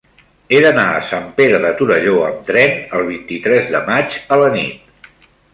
He d'anar a Sant Pere de Torelló amb tren el vint-i-tres de maig a la nit.